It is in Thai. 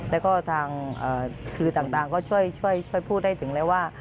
แล้วก็ทางสื่อต่างก็ช่วยพูดได้ถึงแล้วว่า